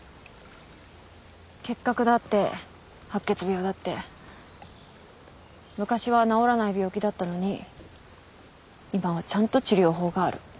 結核だって白血病だって昔は治らない病気だったのに今はちゃんと治療法がある。